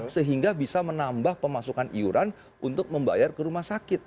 sehingga bisa menambah pemasukan iuran untuk membayar ke rumah sakit